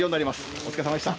お疲れさまでした。